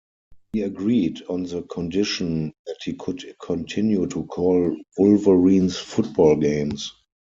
He agreed on the condition that he could continue to call Wolverines football games.